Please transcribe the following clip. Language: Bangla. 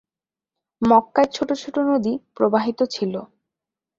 মক্কায় ছোট ছোট নদী প্রবাহিত ছিল।